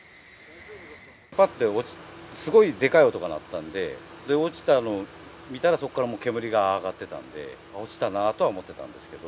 ぱってすごいでかい音が鳴ったんで、落ちたの見たら、そこからもう煙が上がってたんで、落ちたなとは思ってたんですけど。